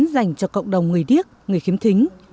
dành cho cộng đồng người điếc người khiếm thính